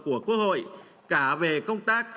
của quốc hội cả về công tác